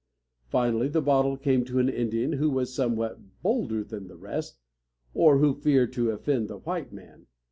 Finally the bottle came to an Indian who was somewhat bolder than the rest, or who feared to offend the white man.